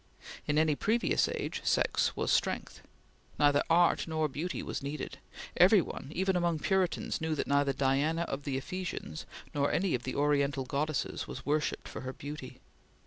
In any previous age, sex was strength. Neither art nor beauty was needed. Every one, even among Puritans, knew that neither Diana of the Ephesians nor any of the Oriental goddesses was worshipped for her beauty.